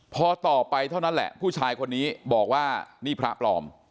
พอต่อไปเท่านั้นแหละผู้ชายคนนี้บอกว่านี่พระปลอม